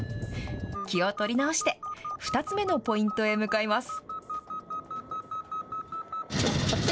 気を取り直して、２つ目のポイントへ向かいます。